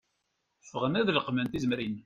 Ffɣen ad leqmen tizemrin.